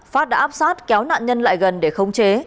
phát đã áp sát kéo nạn nhân lại gần để khống chế